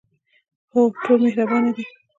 هو، ټول مهربانه دي